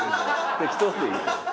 適当でいい。